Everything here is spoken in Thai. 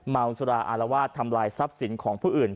เมาสุราอารวาสทำลายทรัพย์สินของผู้อื่น